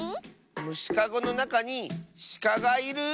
むしかごのなかにしかがいる。